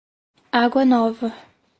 Água Nova